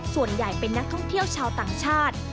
ส่วนใหญ่เป็นนักท่องเที่ยวชาวต่างชาติ